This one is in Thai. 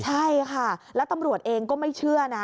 ใช่ค่ะแล้วตำรวจเองก็ไม่เชื่อนะ